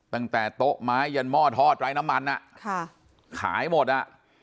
ตั้งแต่โต๊ะไม้ยันหม้อทอดไร้น้ำมันอ่ะค่ะขายหมดอ่ะ